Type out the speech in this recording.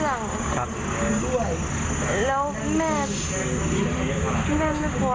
โทรหาคนที่เขาคิดว่าเป็นชู้กับแม่ครับแล้วก็เขาหาเรื่องครับแล้วแม่